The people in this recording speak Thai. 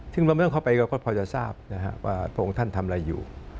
ถึงเราไม่ต้องเข้าไปก็พอจะทราบนะฮะว่าพระองค์ท่านทำอะไรอยู่